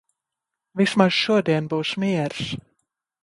Vismaz šodien būs miers.